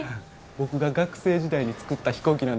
僕が学生時代に作った飛行機なんです。